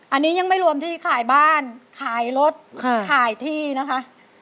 อันนี้ยังไม่รวมที่ขายบ้านขายรถขายที่นะคะ